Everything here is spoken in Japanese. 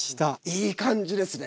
いい感じですね。